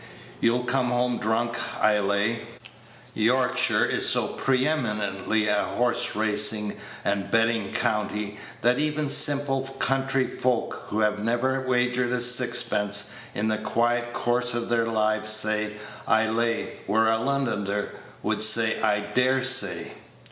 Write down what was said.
You'll come home drunk, I lay." (Yorkshire is so preeminently a horse racing and betting county, that even simple country folk who have never wagered a sixpence in the quiet course of their lives say "I lay" where a Londoner would say "I dare say.")